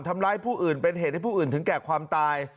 ทำร้ายผู้อื่นเป็นเหตุให้ผู้อื่นถึงแก่ความตาย